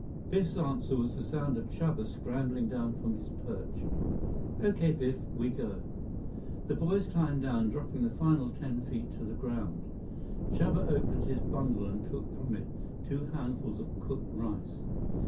78 Biff's answer was the sound of Chuba scrambling down from his perch. "Okay, Biff, we go." The boys climbed down, dropping the final ten feet to the ground. Chuba opened his bundle and took from it two handfuls of cooked rice.